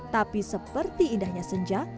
tapi seperti indahnya senja